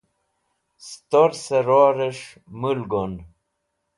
stors ror'esh mul gon